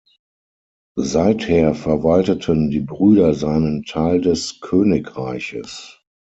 Seither verwalteten die Brüder seinen Teil des Königreiches.